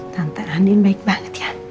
tante andi baik banget ya